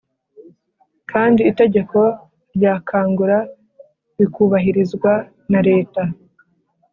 kandi itegeko rya kangura bikubahirizwa.nareta